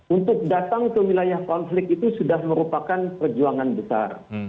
untuk datang ke wilayah konflik itu sudah merupakan perjuangan besar